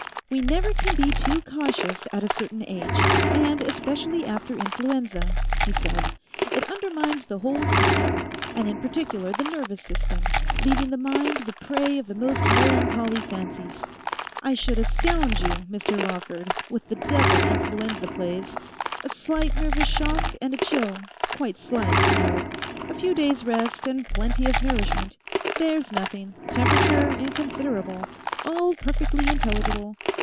'We never can be too cautious at a certain age, and especially after influenza,' he said. 'It undermines the whole system, and in particular the nervous system; leaving the mind the prey of the most melancholy fancies. I should astound you, Mr Lawford, with the devil influenza plays.... A slight nervous shock and a chill; quite slight, I hope. A few days' rest and plenty of nourishment. There's nothing; temperature inconsiderable. All perfectly intelligible.